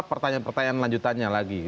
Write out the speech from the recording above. pertanyaan pertanyaan lanjutannya lagi